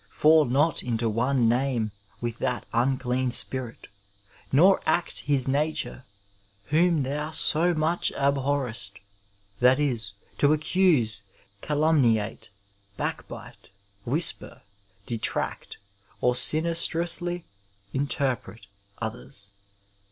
Fall not into one name with that unclean spirit, nor act his nature whom thou so much abhorrest — ^that is, to accuse, calum niate backbite, whisper, detract^ or smistrously interpret others.